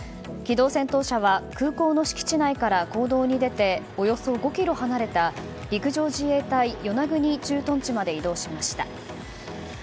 機動戦闘車は空港の敷地内から公道に出ておよそ５ｋｍ離れた陸上自衛隊与那国駐屯地まで移動しました。